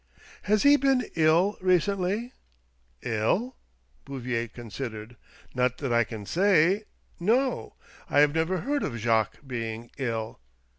" Has he been ill recently ?" "111?" Bouvier considered. "Not that I can say — no. I have never heard of Jacques being ill."